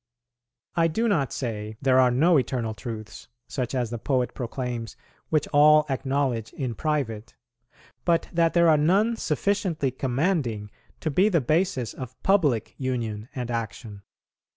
I do not say there are no eternal truths, such as the poet proclaims,[90:1] which all acknowledge in private, but that there are none sufficiently commanding to be the basis of public union and action.